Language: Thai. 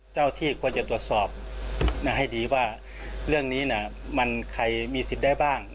ที่ควรจะตรวจสอบให้ดีว่าเรื่องนี้มันใครมีสิทธิ์ได้บ้าง